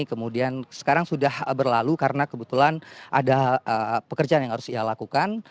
kemudian sekarang sudah berlalu karena kebetulan ada pekerjaan yang harus ia lakukan